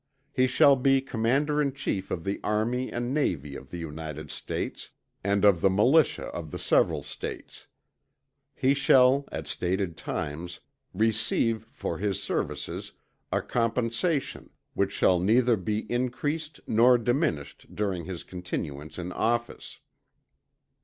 He shall be Commander in Chief of the Army and Navy of the United States, and of the Militia of the several States. He shall, at stated times, receive for his services, a compensation, which shall neither be increased nor diminished during his continuance in office.